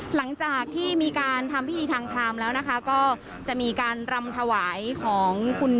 หลังจากที่มีการทำพิธีทางพรามแล้วนะคะก็จะมีการรำถวายของคุณ